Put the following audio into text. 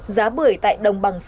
giá bưởi tại đồng bằng sài gòn